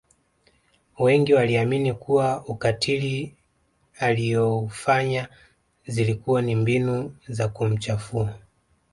wengi waliamini kuwa ukatili aliyoufanya zilikuwa ni mbinu za kumchafua